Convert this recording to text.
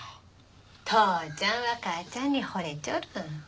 父ちゃんは母ちゃんに惚れちょる。